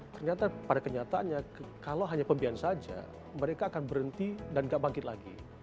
ternyata pada kenyataannya kalau hanya pembiayaan saja mereka akan berhenti dan gak bangkit lagi